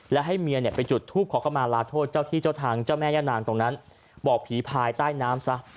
และให้เมียเนี่ยไปจุดทูปขอเข้ามาลาโทษเจ้าที่เจ้าทางเจ้าแม่ย่านางตรงนั้นบอกผีภายใต้น้ำซะ